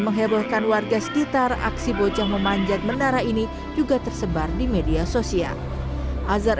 menghebohkan warga sekitar aksi bocah memanjat menara ini juga tersebar di media sosial azhar